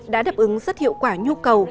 đã đáp ứng rất hiệu quả nhu cầu